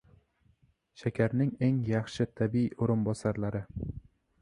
Shakarning eng yaxshi tabiiy o‘rinbosarlari